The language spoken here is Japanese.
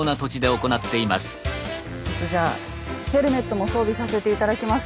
ちょっとじゃあヘルメットも装備させて頂きます。